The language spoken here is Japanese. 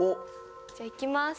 じゃいきます。